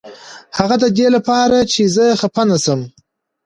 هغه ددې لپاره چې زه خفه نشم.